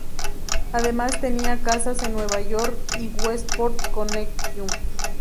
Además tenía casas en Nueva York y Westport, Connecticut.